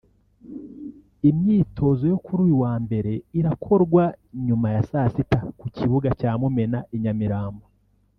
Imyitozo yo kuri uyu wa Mbere irakorwa nyuma ya saa sita ku kibuga cya Mumena i Nyamirambo